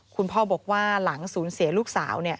คุณพ่อบอกว่าหลังศูนย์เสียลูกสาว